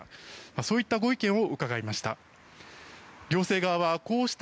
そういったご意見を伺いました。